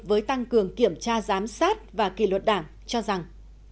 với tăng cường kiểm tra giám sát và kỷ luật đảng cho rằng